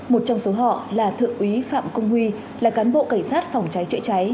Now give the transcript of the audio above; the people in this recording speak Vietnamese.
một trong số họ là thượng úy phạm công huy là cán bộ cảnh sát phòng trái trễ trái